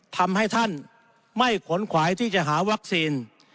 ทำให้ท่านไม่ขนขวายที่จะหาวัคซีน